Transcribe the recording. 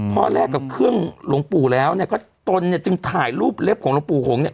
พอแลกกับเครื่องหลวงปู่แล้วเนี่ยก็ตนเนี่ยจึงถ่ายรูปเล็บของหลวงปู่หงเนี่ย